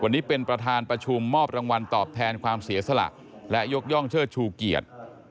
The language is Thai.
วันนี้เป็นประธานประชุมมอบรางวัลตอบแทนความเสียสละและยกย่องเชิดชูเกียรติ